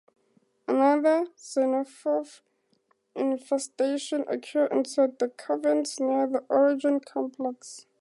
Another xenomorph infestation occurs inside the caverns near the Origin complex.